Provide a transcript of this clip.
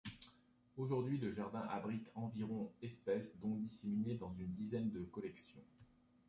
Aujourd'hui, le jardin abrite environ espèces dont disséminées dans une dizaine de collections.